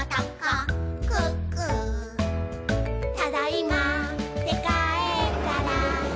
「ただいまーってかえったら」